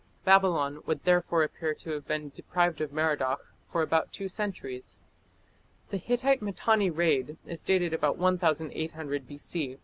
Babylon would therefore appear to have been deprived of Merodach for about two centuries. The Hittite Mitanni raid is dated about 1800 B.C.